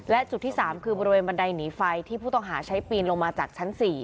และจุดที่๓คือบริเวณบันไดหนีไฟที่ผู้ต้องหาใช้ปีนลงมาจากชั้น๔